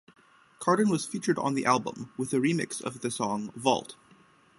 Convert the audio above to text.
Kardon was featured on the album with his remix of the song "Vault".